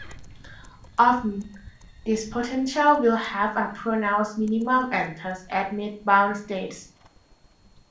Often, this potential will have a pronounced minimum and thus admit bound states.